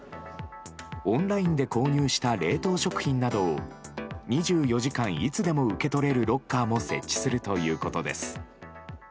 オンラインで購入した冷凍食品などを２４時間いつでも受け取れるロッカーも設置するということです。